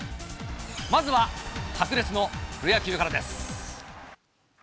まずは白熱のプロ野球からです。